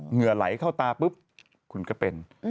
เหงื่อไหลเข้าตาปุ๊บคุณก็เป็น